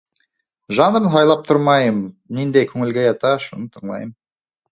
Жанрын һайлап тормайым ниндәй күңелгә ята шуны тыңлайым